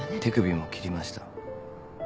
手首も切りました。